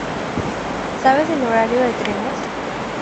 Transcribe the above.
¿Sabes el horario de trenes?